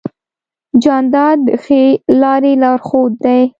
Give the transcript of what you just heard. جانداد د ښې لارې لارښود دی.